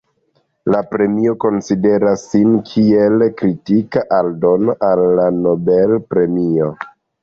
La premio konsideras sin kiel kritika aldono al la Nobel-premio.